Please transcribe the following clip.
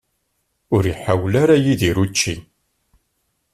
Ur iḥawel ara Yidir učči.